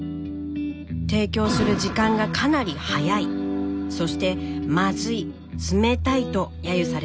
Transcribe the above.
提供する時間がかなり早いそしてまずい冷たいと揶揄されていました。